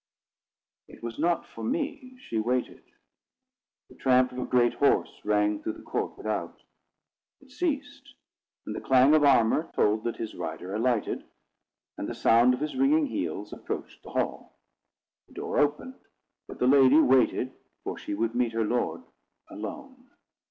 It was not for me she waited. The tramp of a great horse rang through the court without. It ceased, and the clang of armour told that his rider alighted, and the sound of his ringing heels approached the hall. The door opened; but the lady waited, for she would meet her lord alone.